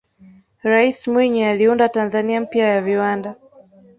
raisi mwinyi aliunda tanzania mpya ya viwanda